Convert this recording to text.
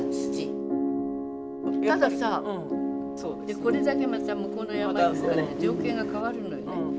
たださこれだけまた向こうの情景が変わるのよね。